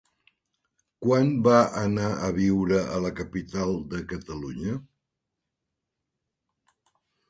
Quan va anar a viure a la capital de Catalunya?